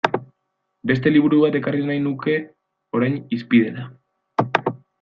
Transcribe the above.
Beste liburu bat ekarri nahi nuke orain hizpidera.